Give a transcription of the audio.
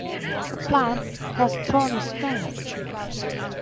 The plant has thorny stems.